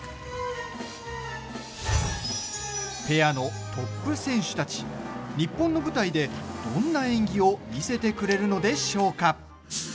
ペアのトップ選手たち日本の舞台で、どんな演技を見せてくれるのでしょうか。